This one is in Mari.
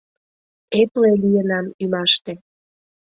Эпле лийынам ӱмаште